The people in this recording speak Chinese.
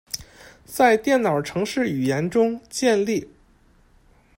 在电脑程式语言中，建立。